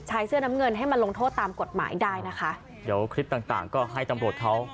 เดี๋ยวคลิปต่างก็ให้ตำรวจเขา